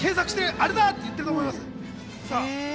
アレだ！って言ってると思います。